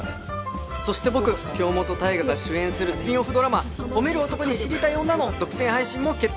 そして僕京本大我が主演するスピンオフドラマ『ホメる男に知りたい女』の独占配信も決定！